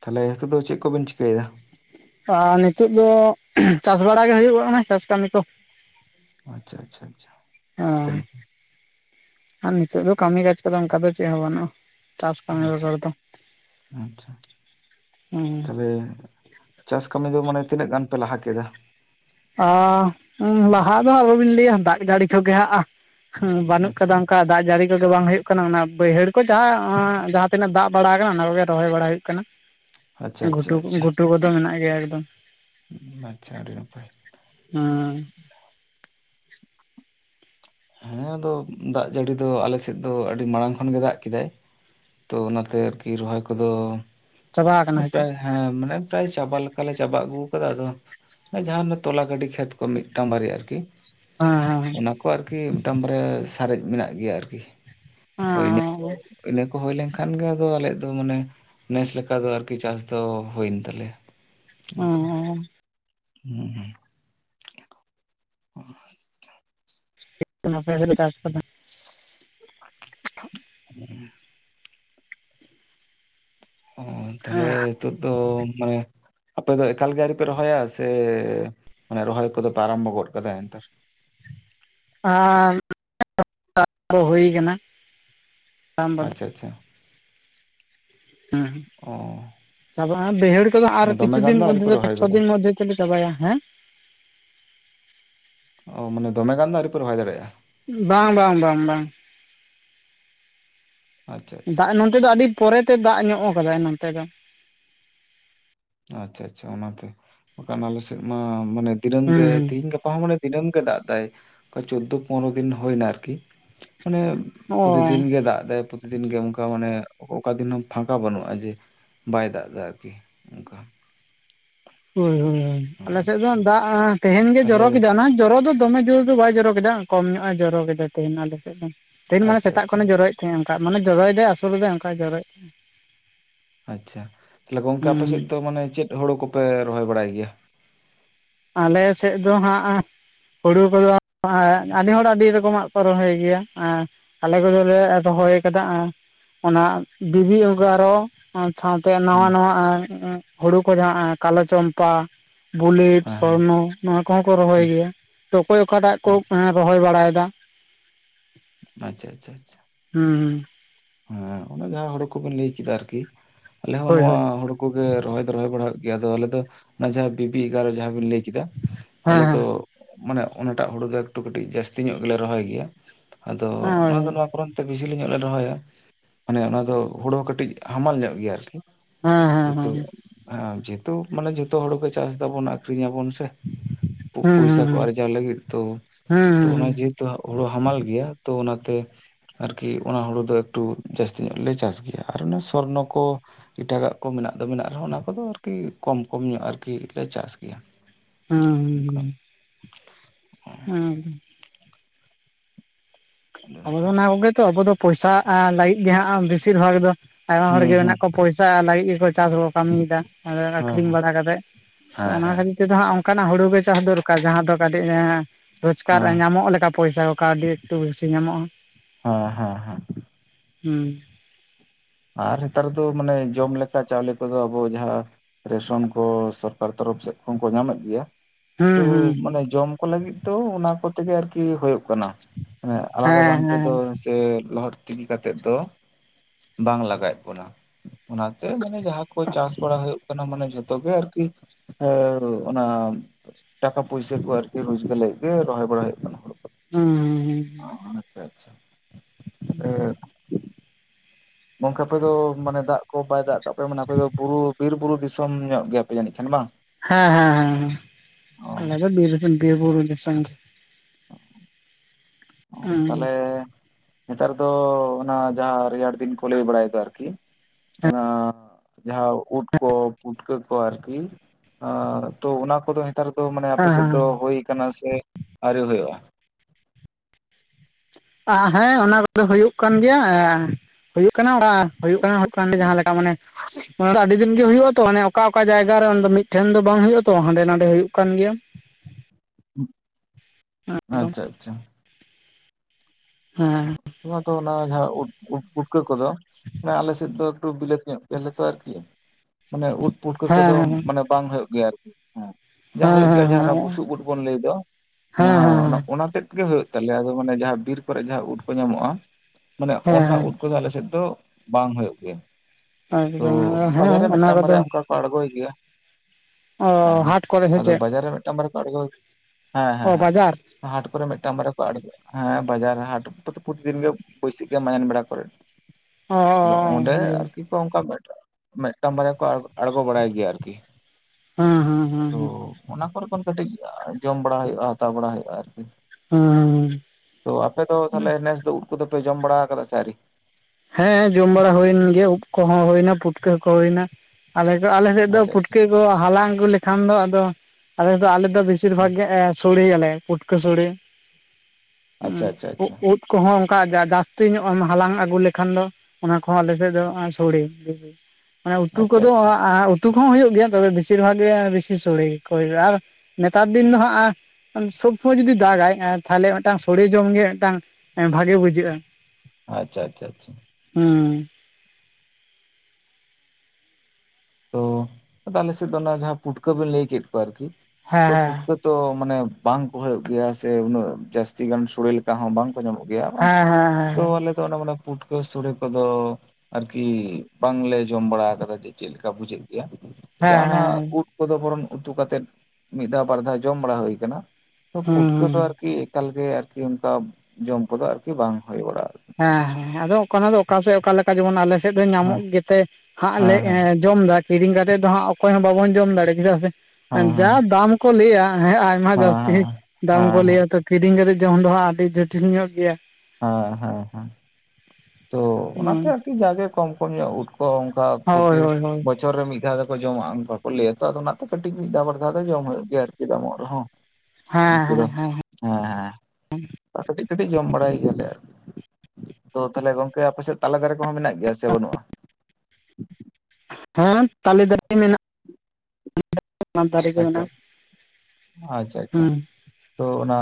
ᱛᱟᱦᱚᱞᱮ ᱱᱤᱛᱚᱜ ᱫᱚ ᱪᱮᱫ ᱠᱚᱵᱮᱱ ᱪᱤᱠᱟᱹᱭᱮᱫᱟ? ᱟᱨ ᱱᱤᱛᱚᱜ ᱫᱚ ᱪᱟᱥ ᱵᱟᱲᱟ ᱜᱮ ᱦᱩᱭᱩᱜ ᱪᱟᱥ ᱠᱟᱹᱢᱤ ᱠᱚ ᱾ ᱟᱪᱪᱷᱟ ᱟᱪᱪᱷᱟ ᱟᱪᱪᱷᱟ ᱟᱨ ᱱᱤᱛᱚᱜ ᱫᱚ ᱠᱟᱹᱢᱤ ᱠᱟᱡ ᱠᱚᱫᱚ ᱚᱱᱠᱟ ᱫᱚ ᱪᱮᱫ ᱦᱚᱸ ᱵᱟᱹᱱᱩᱜ-ᱟ ᱾ ᱟᱪᱪᱷᱟ ᱟᱪᱪᱷᱟ ᱦᱮᱸ ᱛᱟᱦᱞᱮ ᱪᱟᱥ ᱠᱟᱹᱢᱤ ᱫᱚ ᱢᱟᱱᱮ ᱛᱤᱱᱟᱹᱜ ᱜᱟᱱ ᱯᱮ ᱞᱟᱦᱟ ᱠᱮᱫᱟ? ᱟᱸ ᱞᱟᱦᱟ ᱫᱚ ᱦᱟᱸᱜ ᱟᱞᱚᱵᱤᱱ ᱞᱟᱹᱭᱟ ᱫᱟᱜ ᱡᱟᱹᱲᱤ ᱠᱚᱜᱮ ᱦᱟᱸᱜ-ᱟ ᱵᱟᱹᱱᱩᱜ ᱟᱪᱪᱷᱟ ᱠᱟᱫᱟ ᱚᱝ ᱠᱟ ᱫᱟᱜ ᱡᱟᱹᱲᱤ ᱠᱚᱜᱮ ᱵᱟᱝ ᱦᱩᱭᱩᱜ ᱠᱟᱱᱟ ᱚᱱᱟ ᱵᱟᱹᱭᱦᱟᱹᱲ ᱠᱚ ᱡᱟᱦᱟᱸ ᱡᱟᱦᱟᱸ ᱛᱤᱱᱟᱹᱜ ᱫᱟᱜ ᱵᱟᱲᱟ ᱟᱠᱟᱱᱟ ᱚᱱᱟ ᱠᱚᱜᱮ ᱨᱚᱦᱚᱭ ᱵᱟᱲᱟ ᱦᱩᱭᱩᱜ ᱠᱟᱱᱟ᱾ ᱟᱪᱪᱷᱟ ᱟᱪᱪᱷᱟ ᱟᱪᱪᱷᱟ᱾ ᱫᱚ ᱢᱮᱱᱟᱜ ᱜᱮᱭᱟ ᱮᱠᱫᱚᱢ ᱟᱪᱪᱷᱟ ᱟᱹᱰᱤ ᱱᱟᱯᱟᱭ᱾ ᱦᱩᱸ ᱦᱮᱸ ᱟᱫᱚ ᱫᱟᱜ ᱡᱟᱹᱲᱤ ᱫᱚ ᱟᱞᱮ ᱥᱮᱫ ᱫᱚ ᱟᱹᱰᱤ ᱢᱟᱲᱟᱝ ᱠᱷᱚᱱ ᱜᱮ ᱫᱟᱜ ᱠᱮᱫᱟᱭ᱾ ᱛᱚ ᱚᱱᱟᱛᱮ ᱟᱨᱠᱤ ᱨᱚᱦᱚᱭ ᱠᱚᱫᱚ ᱪᱟᱵᱟ ᱟᱠᱟᱱᱟ ᱥᱮ ᱟᱯᱮ ᱪᱮᱫ ᱦᱮᱸ ᱢᱟᱱᱮ ᱯᱨᱟᱭ ᱪᱟᱵᱟ ᱞᱮᱠᱟᱞᱮ ᱪᱟᱵᱟ ᱟᱹᱜᱩᱣ ᱠᱟᱫᱟ ᱟᱫᱚ ᱟ ᱡᱟᱦᱟᱸ ᱚᱱᱮ ᱛᱚᱞᱟ ᱜᱟᱹᱰᱤ ᱠᱷᱮᱛ ᱠᱚ ᱢᱤᱜᱴᱟᱝ ᱵᱟᱨᱭᱟ ᱟᱨᱠᱤ᱾ ᱟᱸᱻ ᱦᱮᱸ ᱮᱸ᱾ ᱚᱱᱟ ᱠᱚ ᱟᱨᱠᱤ ᱢᱤᱴᱟᱝ ᱵᱟᱨᱭᱟ ᱥᱟᱨᱮᱡ ᱢᱮᱱᱟᱜ ᱜᱮᱭᱟ ᱟᱨᱠᱤ ᱦᱮᱸ [unintelligible] ᱦᱩᱭ ᱞᱮᱱᱠᱷᱟᱱ ᱜᱮ ᱟᱫᱚ ᱟᱞᱮᱭᱟᱜ ᱫᱚ ᱢᱟᱱᱮ ᱱᱮᱥ ᱞᱮᱠᱟ ᱫᱚ ᱟᱨᱠᱤ ᱪᱟᱥ ᱫᱚ ᱦᱩᱭᱮᱱ ᱛᱟᱞᱮᱭᱟ᱾ ᱚᱸᱻ᱾ ᱩᱸ᱾ [unintelligible] [unintelligible] [inaudible] [unintelligible] ᱚ ᱛᱟᱦᱞᱮ ᱦᱤᱛᱚᱜ ᱫᱚ ᱢᱟᱱᱮ ᱟᱯᱮ ᱫᱚ ᱮᱠᱟᱞ ᱜᱮ ᱟᱨᱤ ᱯᱮ ᱨᱚᱦᱚᱭᱟ ᱥᱮ ᱮ ᱨᱚᱦᱚᱭ ᱠᱚᱫᱚ ᱯᱮ ᱟᱨᱚᱢᱵᱚ ᱜᱚᱫ ᱠᱟᱫᱟ ᱮᱱᱛᱟᱨ? ᱟᱨ [inaudible] ᱦᱩᱭ ᱠᱟᱱᱟ᱾ ᱟᱪᱪᱷᱟ ᱟᱪᱪᱷᱟ᱾ ᱮᱸᱦᱮᱸ ᱚ ᱪᱟᱵᱟ ᱟᱸ ᱵᱟᱹᱭᱦᱟᱹᱲ ᱠᱚᱫᱚ ᱟᱨ ᱫᱚᱢᱮ ᱠᱤᱪᱷᱩ ᱜᱟᱱ ᱫᱤᱱ ᱫᱚ ᱢᱚᱫᱽ ᱟᱹᱣᱨᱤ ᱯᱮ ᱜᱮ ᱯᱟᱪ ᱨᱚᱦᱚᱭ ᱪᱷᱚ ᱜᱚᱫᱟ ᱫᱤᱱ ᱢᱚᱫᱷᱮ ᱛᱮᱞᱮ ᱪᱟᱵᱟᱭᱟ ᱦᱮᱸ᱾ ᱚ ᱢᱟᱱᱮ ᱫᱚᱢᱮ ᱜᱟᱱ ᱫᱚ ᱟᱹᱣᱨᱤᱯᱮ ᱨᱚᱦᱚᱭ ᱫᱟᱲᱮᱜᱼᱟ᱾ ᱵᱟᱝ ᱵᱟᱝ ᱵᱟᱝ ᱵᱟᱝ᱾ ᱟᱪᱪᱷᱟ ᱟᱪᱪᱷᱟ ᱫᱟᱜ ᱮᱱᱟᱝ ᱛᱮ ᱫᱚ ᱟᱹᱰᱤ ᱯᱚᱨᱮ ᱛᱮ ᱫᱟᱜ ᱧᱚᱜ ᱟᱠᱟᱫᱟᱭ ᱱᱚᱱᱛᱮ ᱫᱚ᱾ ᱟᱪᱪᱷᱟ ᱟᱪᱪᱷᱟ ᱚᱱᱟᱛᱮ, ᱵᱟᱠᱷᱟᱱ ᱟᱞᱮᱥᱮᱫ ᱢᱟ ᱢᱟᱱᱮ ᱫᱤᱱᱟᱹᱢ ᱜᱮ ᱦᱮᱸ ᱛᱦᱤᱧ ᱜᱟᱯᱟ ᱦᱚ ᱢᱟᱱᱮ ᱫᱤᱱᱟᱹᱢ ᱜᱮ ᱫᱟᱜ ᱫᱟᱭ ᱠᱟ ᱪᱳᱫᱽᱫᱳ ᱯᱚᱱᱨᱚ ᱫᱤᱱ ᱦᱳᱭᱱᱟ ᱟᱨᱠᱤ᱾ ᱟᱱᱮ ᱚ ᱦᱳᱭ ᱯᱚᱛᱤᱫᱤᱱ ᱜᱮ ᱫᱟᱜ ᱫᱟᱭ ᱯᱩ ᱫᱤᱱ ᱜᱮ ᱚᱱᱠᱟ ᱢᱟᱱᱮ ᱚ-ᱚᱠᱟ ᱫᱤᱱ ᱦᱚ ᱯᱷᱟᱠᱟ ᱵᱟᱹᱱᱩᱜᱼᱟ ᱡᱮ ᱵᱟᱭ ᱫᱟᱜ ᱫᱟ ᱟᱨᱠᱤ᱾ ᱚᱝᱠᱟ᱾ ᱦᱳᱭ ᱦᱳᱭ ᱳᱭ ᱟᱞᱮᱥᱮᱜ ᱫᱚ ᱟᱪᱪᱷᱟ ᱫᱟᱜ ᱟᱸ ᱛᱮᱦᱮᱧ ᱜᱮ ᱛᱟᱦᱚᱞᱮ ᱡᱚᱨᱚ ᱠᱮᱫᱟ ᱚᱱᱟ ᱡᱚᱨᱚ ᱫᱚ ᱫᱚᱢᱮ ᱡᱳᱨ ᱫᱚ ᱵᱟᱭ ᱡᱚᱨᱚ ᱠᱮᱫᱟ ᱠᱚᱢ ᱧᱚᱜ ᱮ ᱡᱚᱨᱚ ᱠᱮᱫᱟ ᱛᱤᱦᱤᱱ ᱟᱞᱮᱥᱮᱫ ᱫᱚ ᱛᱮᱦᱤᱧ ᱢᱟᱱᱮ ᱟᱪᱪᱷᱟ ᱥᱮᱛᱟᱜ ᱟᱪᱪᱷᱟ ᱠᱷᱚᱱᱮ ᱡᱚᱨᱚᱭᱮ ᱛᱮᱦᱮ ᱚᱝᱠᱟᱜ ᱢᱟᱱᱮ ᱡᱚᱨᱚᱭᱫᱟ ᱟᱥᱳᱨ ᱫᱟ ᱚᱝᱠ ᱟᱪᱪᱷᱟ, ᱛᱟᱦᱞᱮ ᱛᱟᱦᱮᱸᱜ ᱜᱚᱝᱠᱮ ᱟᱯᱮ ᱦᱮᱸ ᱥᱮᱡ ᱫᱚ ᱢᱟᱱᱮ ᱪᱮᱫ ᱦᱳᱲᱳ ᱠᱚᱯᱮ ᱨᱚᱦᱚᱭ ᱵᱟᱲᱟᱭ ᱜᱮᱭᱟ? ᱟᱞᱮ ᱥᱮᱡ ᱫᱚ ᱦᱟᱸᱜᱼᱟ ᱦᱩᱲᱩ ᱠᱚᱫᱚ ᱮᱸ ᱟᱹᱰᱤ ᱦᱚᱲ ᱟᱹᱰᱤ ᱨᱚᱠᱚᱢᱟᱜ ᱠᱚ ᱨᱚᱦᱚᱭ ᱜᱮᱭᱟ, ᱮᱸ ᱟᱞᱮ ᱠᱚᱫᱚᱞᱮ ᱨᱚᱦᱚᱭ ᱠᱟᱫᱟ ᱟᱸ ᱚᱱᱟ ᱵᱤᱵᱤ ᱳᱜᱟᱨᱚ᱾ ᱚᱸ ᱪᱷᱟᱶᱛᱮ ᱱᱟᱣᱟ ᱦᱮᱸ ᱱᱟᱣᱟ ᱮᱸ ᱦᱳᱲᱳ ᱠᱚ ᱡᱟᱦᱟᱸ ᱟᱸ ᱠᱟᱞᱳ ᱪᱚᱢᱯᱟ, ᱵᱩᱞᱤ᱾ ᱦᱮᱸ ᱥᱚᱨᱱᱚ ᱱᱚᱣᱟ ᱠᱚᱦᱚᱸ ᱠᱚ ᱨᱚᱦᱚᱭ ᱜᱮᱭᱟ ᱛᱚ ᱚᱠᱚᱭ ᱚᱠᱟᱴᱟᱜ ᱠᱚ ᱟᱪᱪᱷᱟ ᱮᱸ ᱨᱚᱦᱚᱭ ᱵᱟᱲᱟᱭᱫᱟ᱾ ᱟᱪᱪᱷᱟ ᱟᱪᱪᱷᱟ ᱟᱪᱪᱷᱟ᱾ ᱩᱸ ᱦᱩᱸ ᱦᱩᱸ᱾ ᱦᱮᱸ ᱚᱱᱮ ᱡᱟᱦᱟᱸ ᱦᱳᱲᱳ ᱠᱚᱵᱮᱱ ᱞᱟᱹᱭ ᱠᱮᱫᱟ ᱟᱨᱠᱤ ᱟᱞᱮ ᱦᱚᱸ ᱦᱳᱭ ᱱᱚᱣᱟ ᱦᱳᱭ ᱦᱳᱲᱳ ᱠᱩᱜᱮ ᱨᱚᱦᱚᱭ ᱫᱚ ᱨᱚᱦᱚᱭ ᱵᱟᱲᱟ ᱦᱩᱜ ᱜᱮᱭᱟ ᱟᱫᱚ ᱟᱞᱮ ᱫᱚ ᱚᱱᱟ ᱡᱟᱦᱟᱸ ᱵᱤᱵᱤ ᱮᱜᱟᱨ ᱡᱟᱦᱟᱸ ᱵᱤᱱ ᱞᱟᱹᱭ ᱠᱤᱫᱟ ᱦᱮᱸ ᱟᱞᱮ ᱫᱚ ᱢᱟᱱᱮ ᱚᱱᱟᱴᱟᱜ ᱦᱩᱲᱩ ᱫᱚ ᱮᱠᱴᱩ ᱠᱟᱹᱴᱤᱡ ᱡᱟᱹᱥᱛᱤ ᱧᱚᱜ ᱜᱮᱞᱮ ᱨᱚᱦᱚᱭ ᱜᱮᱭᱟ᱾ ᱟᱫᱚ ᱦᱮᱸ ᱦᱳᱭ ᱚᱱᱟ ᱦᱮᱸ ᱫᱚ ᱱᱚᱣᱟ ᱠᱚᱨᱚᱱ ᱛᱮ ᱵᱮᱥᱤᱞᱤ ᱧᱚᱜ ᱞᱮ ᱨᱚᱦᱚᱭᱟ᱾ ᱢᱟᱱᱮ ᱚᱱᱟ ᱫᱚ ᱦᱳᱲᱳ ᱦᱚ ᱠᱟᱹᱴᱤᱡ ᱦᱟᱢᱟᱞ ᱧᱚᱜ ᱜᱮᱭᱟ ᱟᱨᱠᱤ᱾ ᱦᱮᱸ ᱦᱮᱸ ᱦᱮᱸ ᱦᱮᱸ ᱱᱤᱛᱳᱜ ᱦᱮᱸ ᱡᱮᱛᱩ ᱢᱟᱱᱮ ᱡᱚᱛᱚ ᱦᱚᱲ ᱜᱮ ᱪᱟᱥ ᱫᱟᱵᱚᱱ ᱟᱠᱷᱨᱤᱧᱟᱵᱚᱱ ᱥᱮ᱾ ᱦᱮᱸ ᱦᱮᱸ ᱯᱚ-ᱯᱚᱭᱥᱟ ᱠᱚ ᱟᱨᱡᱟᱣ ᱞᱟᱹᱜᱤᱫ ᱛᱚ ᱛᱚ ᱚᱱᱟ ᱡᱮ ᱛᱚ ᱦᱳᱲᱳ ᱦᱟᱢᱟᱞ ᱜᱮᱭᱟ ᱛᱚ ᱚᱱᱟᱛᱮ ᱟᱨᱠᱤ ᱚᱱᱟ ᱦᱩᱲᱩ ᱫᱚ ᱮᱠᱴᱩ ᱡᱟᱹᱥᱛᱤ ᱧᱚᱜ ᱞᱮ ᱪᱟᱥ ᱜᱮᱭᱟ ᱟᱨ ᱚᱱᱟ ᱥᱚᱨᱱᱚ ᱠᱚ ᱮᱴᱟᱜᱟᱜ ᱠᱚ ᱢᱮᱱᱟᱜ ᱫᱚ ᱢᱮᱱᱟᱜ ᱨᱮᱦᱚᱸ ᱚᱱᱟ ᱠᱚᱫᱚ ᱟᱨᱠᱤ ᱠᱚᱢ ᱠᱚᱢ ᱧᱚᱜ ᱟᱨᱠᱤ ᱞᱮ ᱪᱟᱥ ᱜᱮᱭᱟ ᱾ ᱦᱮᱸ ᱦᱩᱸ᱾ ᱦᱮᱸ᱾ ᱟᱹᱰᱤ ᱟᱵᱚ ᱫᱚ ᱱᱟᱯᱟᱭ ᱚᱱᱟ ᱠᱚᱜᱮ ᱛᱚ ᱟᱵᱚ ᱫᱚ ᱯᱚᱭᱥᱟ ᱞᱟᱹᱜᱤᱫ ᱜᱮ ᱦᱟᱸᱟᱜ ᱵᱮᱥᱤᱨ ᱵᱷᱟᱜᱽ ᱫᱚ ᱟᱭᱢᱟ ᱦᱩᱸ ᱦᱚᱲᱜᱮ ᱦᱩᱸ ᱢᱮᱱᱟᱜ ᱠᱚᱣᱟ᱾ ᱯᱚᱭᱥᱟ ᱞᱟᱹᱜᱤᱫ ᱜᱮᱠᱚ ᱪᱟᱥ ᱨᱮᱠᱩ ᱠᱢᱤᱭᱫᱟ ᱟᱨ ᱦᱮᱸ ᱟᱠᱷᱨᱤᱧ ᱦᱮᱸ ᱵᱟᱲᱟ ᱠᱟᱛᱮᱜᱚ ᱦᱮᱸ ᱚᱱᱟ ᱦᱮᱸ ᱠᱷᱟᱹᱛᱤᱨ ᱛᱮᱫᱚ ᱦᱟᱸᱜ ᱚᱱᱠᱟᱱᱟᱜ ᱦᱩᱲᱩ ᱜᱮ ᱪᱟᱥ ᱫᱚᱨᱠᱟᱨ ᱡᱟᱦᱟᱸ ᱫᱚ ᱠᱟᱹᱴᱤᱡ ᱮᱸ ᱨᱳᱡᱽᱜᱟᱨᱮ ᱧᱟᱢᱚᱜ ᱞᱮᱠᱟ ᱯᱚᱭᱥᱟ ᱠᱚ ᱠᱟᱹᱣᱰᱤ ᱮᱠᱴᱩ ᱵᱮᱥᱤ᱾ ᱧᱟᱢᱚᱜᱼᱟ ᱦᱮᱸ ᱦᱮᱸ ᱦᱮᱸ᱾ ᱦᱩᱸ᱾ ᱟᱨ ᱱᱮᱛᱟᱨ ᱫᱚ ᱢᱟᱱᱮ ᱡᱚᱢ ᱞᱮᱠᱟ ᱪᱟᱣᱞᱮ ᱠᱚᱫᱚ ᱟᱵᱚ ᱡᱟᱦᱟᱸ ᱨᱮᱥᱚᱱ ᱠᱚ ᱥᱚᱨᱠᱟᱨ ᱛᱚᱨᱚᱯᱷ ᱥᱮᱫ ᱠᱷᱚᱱ ᱠᱚ ᱧᱟᱢᱮᱫ ᱜᱮᱭᱟ᱾ ᱦᱩᱸ ᱛᱚ ᱦᱩᱸ ᱢᱟᱱᱮ ᱡᱚᱢ ᱠᱚ ᱞᱟᱹᱜᱤᱫ ᱛᱚ ᱚᱱᱟ ᱠᱚᱛᱮᱜᱮ ᱟᱨᱠᱤ ᱦᱩᱭᱩᱜ ᱠᱟᱱᱟ ᱦᱮᱸ ᱟᱞᱟᱫᱟ ᱦᱮᱸ ᱜᱟᱱ ᱦᱮᱸ ᱛᱮᱫᱚ ᱥᱮ ᱞᱚᱦᱚᱫ ᱛᱤᱠᱤ ᱠᱟᱛᱮᱫ ᱫᱚ ᱵᱟᱝ ᱞᱟᱜᱟᱭᱮᱫ ᱵᱚᱱᱟ ᱚᱱᱟᱛᱮ ᱢᱟᱱᱮ ᱡᱟᱦᱟᱸ ᱠᱚ ᱪᱟᱥ ᱵᱟᱲᱟ ᱦᱳᱭᱳᱜ ᱠᱟᱱᱟ ᱢᱟᱱᱮ ᱡᱷᱚᱛᱚ ᱜᱮ ᱟᱨᱠᱤ ᱮ ᱚᱱᱟ ᱴᱟᱠᱟ ᱯᱚᱭᱥᱟ ᱠᱚ ᱟᱨᱠᱤ ᱨᱳᱡᱽᱜᱟᱨ ᱞᱟᱹᱜᱤᱫ ᱜᱮ ᱨᱚᱦᱚᱭ ᱵᱟᱲᱟ ᱦᱩᱭᱩᱜ ᱠᱟᱱᱟ ᱦᱚᱲᱩ᱾ ᱚ ᱦᱩᱸ ᱦᱩᱸ ᱟᱪᱪᱷᱟ ᱟᱪᱪᱷᱟ᱾ [inaudible] ᱜᱚᱝᱠᱮ ᱟᱯᱮ ᱫᱚ ᱢᱟᱱᱮ ᱫᱟᱜ ᱠᱚ ᱵᱟᱭ ᱫᱟᱜ ᱠᱟᱜ ᱯᱮᱭᱟ ᱢᱟᱱᱮ ᱟᱯᱮ ᱫᱚ ᱵᱩᱨᱩ ᱵᱤᱨ ᱵᱩᱨᱩ ᱫᱤᱥᱚᱢ ᱧᱚᱜ ᱜᱮᱭᱟᱯᱮ ᱡᱟᱹᱱᱤᱡ ᱠᱷᱟᱱ ᱵᱟᱝ? ᱦᱮᱸ ᱦᱮᱸ ᱦᱮᱸ ᱚ ᱟᱞᱮ ᱫᱚ ᱵᱤᱨ ᱵᱤᱨ ᱵᱩᱨᱩ ᱫᱤᱥᱟᱢ ᱜᱮ᱾ ᱚ ᱦᱮᱸ ᱛᱟᱦᱚᱞᱮ ᱱᱮᱛᱟᱨ ᱫᱚ ᱚᱱᱟ ᱡᱟᱦᱟᱸ ᱨᱮᱭᱟᱲ ᱫᱤᱱ ᱠᱚ ᱞᱟᱹᱭ ᱵᱟᱲᱟᱭ ᱫᱟ ᱟᱨᱠᱤ᱾ ᱚᱱᱟ ᱡᱟᱦᱟᱸ ᱩᱫᱽ ᱠᱚ ᱯᱩᱴᱠᱟᱹ ᱠᱚ ᱟᱨᱠᱤ᱾ ᱟ ᱛᱚ ᱚᱱᱟ ᱠᱚᱫᱚ ᱦᱮᱸᱛᱟᱨ ᱫᱚ ᱢᱟᱱᱮ ᱟᱯᱮ ᱥᱮᱫ ᱫᱚ ᱦᱮᱸ ᱦᱩᱭ ᱠᱟᱱᱟ ᱥᱮ ᱟᱹᱣᱨᱤ ᱦᱩᱭᱩᱜᱼᱟ? ᱟ ᱦᱮᱸ ᱚᱱᱟ ᱠᱚᱫᱚ ᱦᱩᱭᱩᱜ ᱠᱟᱱ ᱜᱮᱭᱟ᱾ ᱮ ᱦᱩᱭᱩᱜ ᱠᱟᱱᱟ ᱚᱱᱟ ᱦᱩᱭᱩᱜ ᱠᱟᱱᱟ ᱦᱩᱭᱩᱜ ᱠᱟᱱᱟ ᱡᱟᱦᱟᱸ ᱞᱮᱠᱟ ᱢᱟᱱᱮ ᱚᱱᱟ ᱫᱚ ᱟᱹᱰᱤ ᱫᱤᱱ ᱜᱮ ᱦᱩᱭᱩᱜ ᱟᱛᱚ ᱢᱟᱱᱮ ᱚᱠᱟ ᱚᱠᱟ ᱡᱟᱭᱜᱟᱨᱮ ᱚᱱᱟ ᱫᱚ ᱢᱤᱫᱴᱷᱮᱱ ᱫᱚ ᱵᱟᱝ ᱦᱩᱭᱩᱜᱼᱟ ᱛᱚ ᱦᱟᱸᱰᱮ ᱱᱟᱰᱮ ᱦᱩᱭᱩᱜ ᱠᱟᱱ ᱜᱮᱭᱟ᱾ [inaudible] ᱮᱠᱫᱚᱢ ᱟᱪᱪᱷᱟ ᱟᱪᱪᱷᱟ᱾ ᱦᱮᱸ᱾ ᱚᱱᱟ ᱛᱚ ᱚᱱᱟ ᱡᱟᱦᱟᱸ ᱩᱫᱽ ᱯᱩᱴᱠᱟᱹ ᱠᱚᱫᱚ ᱢᱟᱱᱮ ᱟᱞᱮᱥᱮᱫ ᱫᱚ ᱮᱠᱴᱩ ᱵᱤᱞᱟᱹᱛ ᱧᱚᱸᱜ ᱜᱮᱭᱟᱞᱮ ᱛᱚ ᱟᱨᱠᱤ ᱢᱟᱱᱮ ᱩᱫᱽ ᱯᱩᱴᱠᱟᱹ ᱠᱚᱫᱚ ᱦᱮᱸ ᱢᱟᱱᱮ ᱵᱟᱝ ᱦᱩᱭᱩᱜ ᱜᱮᱭᱟ ᱟᱨᱠᱤ ᱦᱮᱸ᱾ ᱡᱟᱦᱟᱸ ᱦᱮᱸ ᱦᱩᱭᱩᱜ ᱜᱮᱭᱟ ᱡᱟᱦᱟᱸ ᱚᱱᱟ ᱦᱮᱸ ᱵᱩᱥᱩᱵ ᱩᱫᱽ ᱵᱚᱱ ᱞᱟᱹᱭ ᱫᱚ, ᱚᱱᱟ ᱦᱮᱸ ᱦᱟ ᱚᱱᱟ ᱚᱱᱟ ᱛᱮᱫ ᱜᱮ ᱦᱩᱭᱩᱜ ᱛᱟᱞᱮᱭᱟ ᱟᱫᱚ ᱢᱟᱱᱮ ᱡᱟᱦᱟᱸ ᱵᱤᱨ ᱠᱚᱨᱮ ᱡᱟᱦᱟᱸ ᱩᱫᱽ ᱠᱚ ᱧᱟᱢᱚᱜᱼᱟ ᱢᱟᱱᱮ ᱦᱮᱸ ᱦᱮᱸ ᱚᱱᱟ ᱩᱫᱽ ᱠᱚ ᱫᱚ ᱟᱞᱮ ᱥᱮᱫ ᱫᱚ ᱵᱟᱝ ᱦᱩᱭᱩᱜ ᱜᱮᱭᱟ᱾ ᱦᱮᱸ ᱛᱚ ᱮᱠᱫᱚᱢ ᱵᱟᱡᱟᱨ ᱦᱮᱸ ᱨᱮ ᱚᱱᱟ ᱢᱤᱫᱴᱟᱱ ᱠᱚᱫᱚ ᱵᱟᱨᱭᱟ ᱚᱝᱠᱟ ᱠᱚ ᱟᱲᱜᱚᱭ ᱜᱮᱭᱟ᱾ ᱦᱮᱸ ᱚ ᱦᱟᱴ ᱠᱚᱨᱮ ᱥᱮ ᱟᱫᱚ ᱪᱮᱫ ᱵᱟᱡᱟᱨ ᱨᱮ ᱢᱤᱫᱴᱟᱱ ᱵᱟᱨᱭᱟ ᱠᱚ ᱟᱲᱜᱚ ᱦᱮᱸ ᱦᱮᱸ ᱚ ᱦᱮᱸ᱾ ᱵᱟᱡᱟᱨ ᱦᱟᱴ ᱠᱚᱨᱮ ᱢᱤᱫᱴᱟᱝ ᱵᱟᱨᱭᱟ ᱠᱚ ᱟᱲᱜᱟ ᱦᱮᱸ ᱵᱟᱡᱟᱨ ᱦᱟᱴ ᱯᱨᱚᱛᱤ ᱯᱨᱚᱛᱤᱫᱤᱱ ᱜᱮ ᱵᱟᱹᱭᱥ ᱜᱮ ᱢᱟᱡᱟᱱ ᱵᱮᱲᱟ ᱠᱚᱨᱮᱫ ᱚ ᱟᱫᱚ ᱚᱸᱰᱮ ᱦᱮᱸ ᱟᱨᱠᱤ ᱠᱚ ᱚᱱᱠᱟ ᱢᱮᱫᱴᱮᱡ ᱢᱤᱫᱴᱟᱝ ᱵᱟᱨᱭᱟ ᱠᱚ ᱟᱲᱜᱚ ᱵᱟᱲᱟᱭ ᱜᱮᱭᱟ ᱟᱨᱠᱤ᱾ ᱦᱮᱸ ᱦᱩᱸ ᱦᱮᱸ ᱛᱚ ᱦᱮᱸ᱾ ᱚᱱᱟ ᱠᱚᱨᱮ ᱠᱷᱚᱱ ᱠᱟᱹᱴᱤᱡ ᱡᱚᱢ ᱵᱟᱲᱟ ᱦᱩᱭᱩᱜᱼᱟ ᱦᱟᱛᱟᱣ ᱵᱟᱲᱟ ᱦᱩᱭᱩᱜᱼᱟ ᱟᱨᱠᱤ᱾ ᱦᱮᱸ ᱛᱚ ᱟᱯᱮ ᱫᱚ ᱛᱟᱦᱚᱞᱮ ᱱᱮᱥ ᱫᱚ ᱩᱫᱽ ᱠᱚᱫᱚᱯᱮ ᱡᱚᱢ ᱵᱟᱲᱟ ᱠᱟᱫᱟ ᱥᱮ ᱟᱹᱣᱨᱤ? ᱦᱮᱸ ᱡᱚᱢ ᱵᱟᱲᱟ ᱦᱩᱭᱮᱱ ᱜᱮᱭᱟ ᱩᱫᱽ ᱠᱚᱦᱚᱸ ᱦᱩᱭᱱᱟ ᱯᱩᱴᱠᱟᱹ ᱠᱚ ᱦᱩᱭᱱᱟ᱾ ᱟᱞᱮ ᱠᱚ ᱟᱞᱮ ᱥᱮᱫ ᱫᱚ ᱟᱪᱪᱷᱟ ᱟᱪᱪᱷᱟ ᱯᱩᱴᱠᱟᱹ ᱟᱪᱪᱷᱟ ᱠᱚ ᱦᱟᱞᱟᱝ ᱟᱹᱜᱩ ᱞᱮᱠᱷᱟᱱ ᱫᱚ, ᱟᱫᱚ ᱟᱞᱮ ᱫᱚ ᱟᱞᱮ ᱵᱮᱥᱤᱨ ᱵᱷᱟᱜ ᱜᱮ ᱥᱚᱲᱮᱭᱟᱞᱮ ᱯᱩᱴᱠᱟᱹ ᱥᱚᱲᱮ᱾ ᱦᱩᱸ ᱩᱜᱽ ᱟᱪᱪᱷᱟ ᱩᱫ ᱠᱚᱦᱚᱸ ᱚᱱᱠᱟ ᱡᱟᱹᱥᱛᱤ ᱧᱚᱜ ᱮᱢ ᱦᱟᱞᱟᱝ ᱟᱹᱜᱩ ᱠᱷᱟᱱ ᱫᱚ ᱚᱱᱟ ᱠᱚᱦᱚᱸ ᱟᱞᱮ ᱥᱮᱫ ᱫᱚ ᱥᱳᱲᱮ, ᱢᱟᱱᱮ ᱟᱪᱪᱷᱟ ᱩᱛᱩ ᱟᱪᱪᱷᱟ ᱠᱚᱫᱚ ᱟᱪᱪᱷᱟ ᱩᱛᱩ ᱠᱚᱦᱚᱸ ᱦᱩᱭᱩᱜ ᱜᱮᱭᱟ, ᱛᱚᱵᱮ ᱵᱮᱥᱤᱨ ᱵᱷᱟᱜ ᱜᱮ ᱵᱮᱥᱤ ᱥᱳᱲᱮ ᱠᱚ ᱜᱮ ᱦᱩᱭᱩᱜ-ᱟ ᱟᱨ ᱱᱮᱛᱟᱨ ᱫᱤᱱ ᱫᱚ ᱦᱟᱸᱜ ᱥᱚᱵᱽ ᱥᱚᱢᱚᱭ ᱡᱩᱫᱤ ᱫᱟᱜᱟᱭ ᱛᱟᱦᱚᱞᱮ ᱢᱤᱫᱴᱟᱝ ᱥᱳᱲᱮ ᱡᱚᱢ ᱜᱮ ᱢᱤᱫᱴᱟᱝ ᱵᱷᱟᱜᱮ ᱵᱩᱡᱷᱟᱹᱜ-ᱟ᱾ ᱟᱪᱪᱷᱟ ᱟᱪᱪᱷᱟ ᱟᱪᱪᱷᱟ᱾ ᱦᱩᱸ᱾ ᱛᱚ, ᱟᱞᱮ ᱥᱮᱫ ᱫᱚ ᱚᱱᱟ ᱡᱟᱦᱟᱸ ᱯᱩᱴᱠᱟᱹ ᱵᱮᱱ ᱞᱟᱹᱭ ᱠᱮᱫ ᱠᱚᱣᱟ ᱟᱨᱠᱤ ᱦᱮᱸ ᱾ᱛᱚ ᱯᱩᱴᱠᱟᱹ ᱦᱳᱭᱛᱚ ᱢᱟᱱᱮ ᱵᱟᱝ ᱠᱚ ᱦᱩᱭᱩᱜ ᱜᱮᱭᱟ ᱥᱮ, ᱩᱱᱟᱹᱜ ᱡᱟᱹᱥᱛᱤ ᱜᱟᱱ ᱥᱳᱲᱮ ᱞᱮᱠᱟ ᱦᱚᱸ ᱵᱟᱝ ᱧᱟᱢᱚᱜ ᱜᱮᱭᱟ᱾ ᱦᱮᱸ ᱦᱮᱸ ᱦᱮᱸ ᱛᱚ ᱟᱞᱮ ᱛᱚ ᱢᱟᱱᱮ ᱯᱩᱴᱠᱟᱹ ᱥᱳᱲᱮ ᱠᱚᱫᱚ ᱟᱨᱠᱤ ᱵᱟᱝᱞᱮ ᱡᱚᱢ ᱵᱟᱲᱟ ᱟᱠᱟᱫᱟ ᱡᱮ, ᱪᱮᱫ ᱞᱮᱠᱟ? ᱵᱩᱡᱟᱹᱜ ᱜᱮᱭᱟ ᱦᱮᱸ ᱡᱮ, ᱦᱮᱸ ᱚᱱᱟ ᱦᱮᱸ ᱦᱮᱸ ᱩᱫ ᱯᱩᱴᱠᱟᱹ ᱫᱚ ᱵᱚᱨᱚᱝ ᱩᱛᱩ ᱠᱟᱛᱮᱫ, ᱢᱤᱫ ᱫᱷᱟᱹᱣ ᱵᱟᱨ ᱫᱷᱟᱹᱣ ᱡᱚᱢ ᱵᱟᱲᱟ ᱦᱩᱭ ᱟᱠᱟᱱᱟ᱾ ᱦᱩᱸ ᱯᱩᱴᱠᱟᱹ ᱦᱩᱸ ᱫᱚ ᱟᱨᱠᱤ ᱮᱠᱟᱞ ᱜᱮ ᱟᱨᱠᱤ ᱚᱱᱠᱟ ᱡᱚᱢ ᱠᱚᱫᱚ ᱟᱨᱠᱤ ᱵᱟᱝ ᱦᱩᱭ ᱵᱟᱲᱟᱜ-ᱟ᱾ ᱦᱮᱸ ᱦᱮᱸ ᱦᱮᱸ, ᱟᱫᱚ ᱚᱠᱟᱱᱟᱜ ᱫᱚ ᱚᱠᱟ ᱥᱮᱫ ᱚᱠᱟ ᱞᱮᱠᱟ? ᱡᱮᱢᱚᱱ ᱟᱞᱮ ᱥᱮᱫ ᱫᱚ ᱦᱮᱸ ᱧᱟᱢᱚᱜ ᱜᱮᱛᱮ ᱦᱟᱸᱜ ᱞᱮ ᱦᱮᱸ ᱮ ᱡᱚᱢ ᱮᱫᱟ, ᱠᱤᱨᱤᱧ ᱠᱟᱛᱮ ᱫᱚ ᱦᱟᱸᱜ ᱚᱠᱚᱭ ᱦᱚᱸ ᱵᱟᱵᱚᱱ ᱡᱚᱢ ᱫᱟᱲᱮᱭᱟᱜ᱾ ᱪᱮᱫᱟᱜ ᱥᱮ ᱦᱮᱸ ᱡᱟ ᱦᱮᱸ ᱫᱟᱢ ᱠᱚ ᱞᱟᱹᱭᱟ ᱦᱟᱸᱜ ᱦᱮᱸ ᱩᱱᱟᱹᱜ ᱦᱮᱸ ᱡᱟᱹᱥᱛᱤ ᱫᱟᱢ ᱠᱚ ᱞᱟᱹᱭᱟ ᱦᱮᱸ ᱛᱚ ᱠᱤᱨᱤᱧ ᱠᱟᱛᱮ ᱡᱚᱢ ᱫᱚ ᱦᱟᱸᱜ ᱟᱹᱰᱤ ᱡᱚᱴᱤᱞ ᱧᱚᱜ ᱜᱮᱭᱟ᱾ ᱦᱮᱸ, ᱦᱮᱸᱦᱮᱸ, ᱚᱱᱟᱛᱮ ᱟᱨᱠᱤ ᱡᱟᱜᱮ ᱠᱚᱢ ᱠᱚᱢ ᱧᱚᱜ ᱩᱫ ᱠᱚ ᱚᱱᱠᱟ ᱯᱨᱚᱛᱤ ᱦᱳᱭ ᱦᱳᱭ ᱦᱳᱭ ᱵᱚᱪᱷᱚᱨ ᱨᱮ ᱢᱤᱫ ᱫᱷᱟᱹᱣ ᱛᱮᱠᱚ ᱡᱚᱢᱟ ᱵᱟᱠᱚ ᱞᱟᱹᱭᱟ ᱛᱚ ᱟᱫᱚᱱᱟᱜ ᱛᱮ ᱠᱟᱹᱴᱤᱡ ᱢᱤᱫ ᱫᱷᱟᱹᱣ ᱵᱟᱨ ᱫᱷᱟᱹᱣ ᱫᱚ ᱡᱚᱢ ᱦᱩᱭᱩᱜ ᱜᱮᱭᱟ ᱟᱨᱠᱤ ᱫᱟᱢᱚᱜ ᱨᱮᱦᱚᱸ ᱦᱮᱸ ᱩᱱᱠᱩ ᱫᱚ᱾ ᱦᱮᱸ ᱦᱮᱸ ᱦᱮᱸ, ᱠᱟᱹᱴᱤᱡ ᱠᱟᱹᱴᱤᱡ ᱡᱚᱢ ᱵᱟᱲᱟᱭ ᱴᱷᱤᱠᱭᱟᱞᱮ ᱟᱨᱠᱤ᱾ ᱛᱚ ᱛᱟᱦᱚᱞᱮ ᱜᱚᱝᱠᱮ ᱟᱯᱮ ᱥᱮᱫ ᱛᱟᱞᱮ ᱫᱟᱨᱮ ᱠᱚᱦᱚᱸ ᱢᱮᱱᱟᱜ ᱜᱮᱭᱟ ᱥᱮ ᱵᱟᱹᱱᱩᱜ-ᱟ? ᱦᱮᱸ, ᱛᱟᱞᱮ ᱫᱟᱨᱮ ᱜᱮ ᱢᱮᱱᱟᱜ-ᱟ [unintelligible] ᱚᱱᱟ ᱫᱟᱨᱮ ᱜᱮ ᱟᱪᱪᱷᱟ ᱢᱮᱱᱟᱜ-ᱟ ᱾ ᱟᱪᱪᱷᱟ ᱟᱪᱪᱷᱟ, ᱛᱚ ᱚᱱᱟ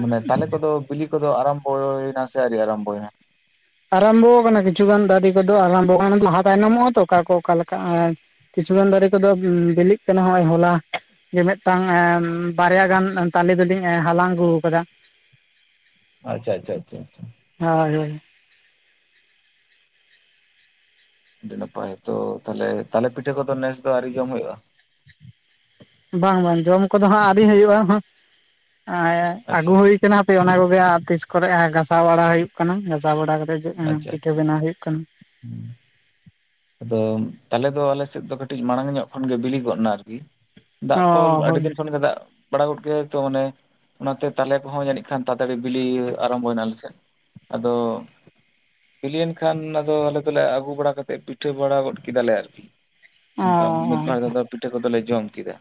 ᱢᱟᱱᱮ ᱛᱟᱞᱮ ᱠᱚᱫᱚ ᱵᱤᱞᱤ ᱠᱚᱫᱚ ᱟᱨᱟᱢᱵᱚᱭᱮᱱᱟ ᱥᱮ ᱟᱹᱣᱨᱤ ᱟᱨᱟᱢᱵᱚᱭᱮᱱᱟ? ᱟᱨᱟᱢᱵᱚ ᱟᱠᱟᱱᱟ ᱠᱤᱪᱷᱩ ᱫᱟᱨᱤ ᱠᱚᱫᱚ ᱟᱨᱟᱢᱵᱚ ᱟᱠᱟᱱᱟ ᱫᱚ, ᱞᱟᱦᱟ ᱛᱟᱭᱱᱚᱢᱚᱜ-ᱟ ᱛᱚ ᱚᱠᱟ ᱠᱚ ᱚᱠᱟ ᱞᱮᱠᱟ? ᱠᱤᱪᱷᱩ ᱜᱟᱱ ᱫᱟᱨᱮ ᱠᱚᱫᱚ ᱵᱤᱞᱤᱜ ᱠᱟᱱᱟ ᱦᱚᱸᱜᱼᱚᱭ ᱦᱚᱞᱟ ᱡᱮ, ᱢᱤᱫᱴᱟᱝ ᱵᱟᱨᱭᱟ ᱜᱟᱱ ᱛᱟᱞᱮ ᱫᱚᱞᱤᱧ ᱦᱟᱞᱟᱝ ᱟᱹᱜᱩ ᱟᱠᱟᱫᱟ᱾ ᱟᱪᱪᱷᱟ ᱟᱪᱪᱷᱟ ᱟᱪᱪᱷᱟ ᱟᱷᱟ᱾ [unintelligible] ᱟᱹᱰᱤ ᱱᱟᱯᱟᱭ ᱛᱚ, ᱛᱟᱦᱚᱞᱮ ᱛᱟᱞᱮ ᱯᱤᱴᱷᱟᱹ ᱠᱚᱫᱚ ᱱᱮᱥ ᱫᱚ ᱟᱹᱣᱨᱤ ᱡᱚᱢ ᱦᱩᱭᱩᱜ-ᱟ? ᱵᱟᱝ ᱵᱟᱝ ᱡᱚᱢ ᱠᱚᱫᱚ ᱦᱟᱸᱜ ᱟᱹᱣᱨᱤ ᱦᱩᱭᱩᱜ-ᱟ, ᱮᱸ ᱟᱹᱜᱩ ᱟᱪᱪᱷᱟ ᱦᱩᱭ ᱮ ᱦᱟᱯᱮᱱᱟ ᱦᱟᱯᱮ ᱚᱱᱟ ᱠᱚᱜᱮ ᱛᱤᱥ ᱠᱚᱨᱮ ᱜᱷᱟᱥᱟᱣ ᱵᱟᱲᱟ ᱦᱩᱭᱩᱜ ᱠᱟᱱᱟ, ᱜᱷᱟᱥᱟᱣ ᱵᱟᱲᱟ ᱠᱟ ᱦᱤᱡᱩ ᱟᱢ ᱯᱤᱴᱷᱟᱹ ᱵᱮᱱᱟᱣ ᱦᱩᱭᱩᱜ ᱠᱷᱟᱱ᱾ ᱦᱩᱸ᱾ ᱟᱫᱚ ᱛᱟᱞᱮ ᱫᱚ ᱟᱞᱮ ᱥᱮᱫ ᱫᱚ ᱠᱟᱹᱴᱤᱡ ᱢᱟᱲᱟᱝ ᱧᱚᱜ ᱠᱷᱚᱱ ᱜᱮ ᱵᱤᱞᱤᱜᱚᱫ ᱮᱱᱟ ᱟᱨᱠᱤ᱾ ᱫᱟᱜ ᱠᱚ ᱚ ᱟᱹᱰᱤ ᱦᱳᱭ ᱫᱤᱱ ᱠᱷᱚᱱ ᱜᱮ ᱫᱟᱜ ᱵᱟᱲᱟ ᱜᱚᱫ ᱜᱮᱟᱭ ᱛᱚ ᱚᱱᱮ, ᱚᱱᱟᱛᱮ ᱛᱟᱞᱮ ᱠᱚᱦᱚᱸ ᱡᱟᱹᱱᱤᱡ ᱠᱷᱟᱱ ᱛᱟᱲᱛᱟᱲᱤ ᱵᱤᱞᱤ ᱟᱨᱟᱢᱵᱚᱭᱮᱱᱟ ᱟᱞᱮ ᱥᱮᱫ᱾ ᱟᱫᱚ ᱵᱩᱞᱤᱭᱮᱱ ᱠᱷᱟᱱ ᱟᱫᱚ ᱟᱞᱮ ᱫᱚᱞᱮ ᱟᱹᱜᱩ ᱵᱟᱲᱟ ᱠᱟᱛᱮ ᱯᱤ ᱯᱤᱴᱷᱟᱹ ᱵᱟᱲᱟ ᱜᱚᱫ ᱠᱮᱫᱟ ᱞᱮ ᱟᱨᱠᱤ, ᱚ ᱚᱱᱠᱟ ᱢᱤᱫ ᱵᱟᱨ ᱫᱷᱟ ᱫᱚ᱾ ᱯᱤᱴᱷᱟᱹ ᱠᱚᱫᱚ ᱞᱮ ᱡᱚᱢ ᱠᱮᱫᱟ,